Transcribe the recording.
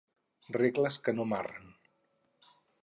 Regles que no marren”.